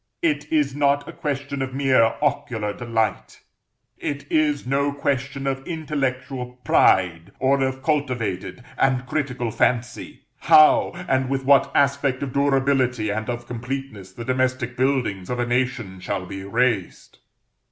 It is not a question of mere ocular delight, it is no question of intellectual pride, or of cultivated and critical fancy, how, and with what aspect of durability and of completeness, the domestic buildings of a nation shall be raised.